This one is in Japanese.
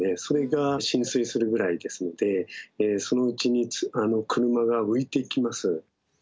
それが浸水するぐらいですのでそのうちに車が浮いてきます。